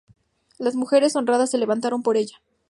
Las mujeres honradas se levantaron por ella.